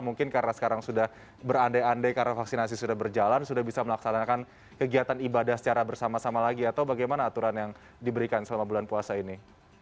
mungkin karena sekarang sudah berandai andai karena vaksinasi sudah berjalan sudah bisa melaksanakan kegiatan ibadah secara bersama sama lagi atau bagaimana aturan yang diberikan selama bulan puasa ini